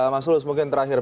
mas hulus mungkin terakhir